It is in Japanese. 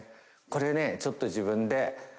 これねちょっと自分で。